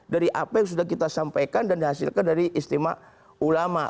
dari apa yang sudah kita sampaikan dan dihasilkan dari istimewa ulama